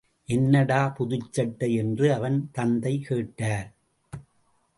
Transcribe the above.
என்னடா புதுச்சட்டை? என்று அவன் தந்தை கேட்டார்.